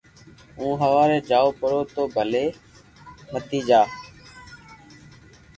ھون ھوارو جاو پرو تو ڀلي متيجا